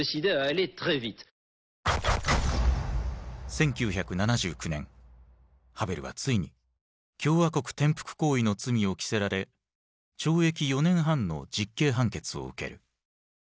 １９７９年ハヴェルはついに共和国転覆行為の罪を着せられ懲役４年半の実刑判決を受ける。